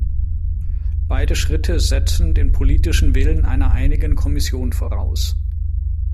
Beide Schritte setzen den politischen Willen einer einigen Kommission voraus.